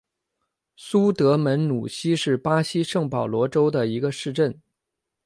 苏德门努西是巴西圣保罗州的一个市镇。